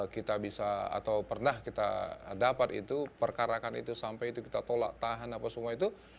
kita bisa atau pernah kita dapat itu perkarakan itu sampai itu kita tolak tahan apa semua itu